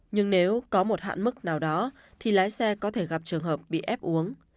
nhưng nếu có một hạn mức nào đó thì lái xe có thể gặp trường hợp bị ép uống